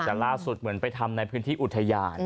แต่ล่าสุดเหมือนไปทำในพื้นที่อุทยาน